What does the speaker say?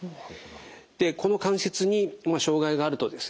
でこの関節にも障害があるとですね